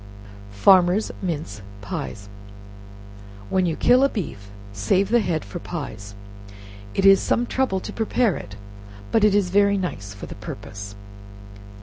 Farmers' Mince Pies. When you kill a beef, save the head for pies; it is some trouble to prepare it, but it is very nice for the purpose.